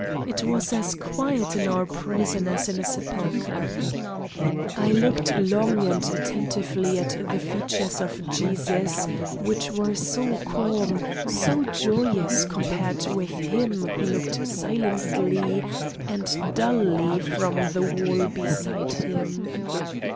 It was as quiet in our prison as in a sepulchre. I looked long and attentively at the features of Jesus, which were so calm, so joyous compared with him who looked silently and dully from the wall beside Him.